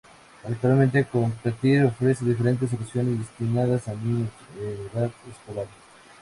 Actualmente, Competir, ofrece diferentes soluciones destinadas a niños en edad escolar.